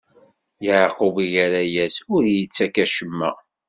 Yeɛqub irra-yas: Ur iyi-ttak acemma.